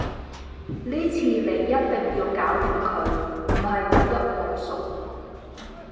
呢次你一定要搞掂佢，唔係就一鑊熟